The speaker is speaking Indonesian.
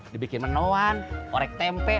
dibikin menuan orek tempe